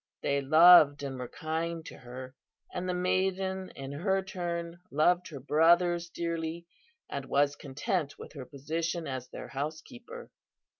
They loved and were kind to her, and the maiden in her turn loved her brothers dearly, and was content with her position as their housekeeper.